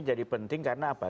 jadi penting karena apa